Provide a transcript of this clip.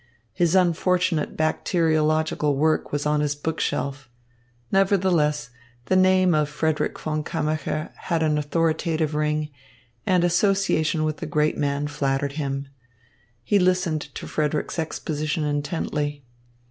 His unfortunate bacteriological work was on his book shelf. Nevertheless, the name of Frederick von Kammacher had an authoritative ring, and association with the great man flattered him. He listened to Frederick's exposition intently.